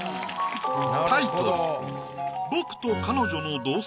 タイトル